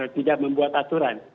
tidak membuat aturan